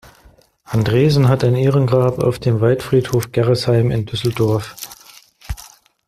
Andresen hat ein Ehrengrab auf dem Waldfriedhof Gerresheim in Düsseldorf.